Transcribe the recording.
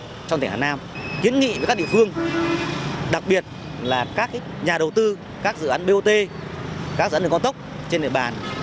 sở giao thông vận tải cũng đã tổ chức hội nghị với các địa phương đặc biệt là các nhà đầu tư các dự án bot các dự án đường con tốc trên địa bàn